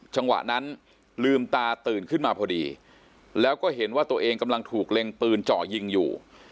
จังหวะนั้นลืมตาตื่นขึ้นมาพอดีแล้วก็เห็นว่าตัวเองกำลังถูกเล็งปืนเจาะยิงอยู่